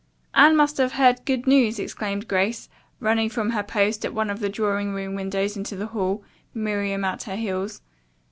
"Anne must have heard good news!" exclaimed Grace, running from her post at one of the drawing room windows into the hall, Miriam at her heels.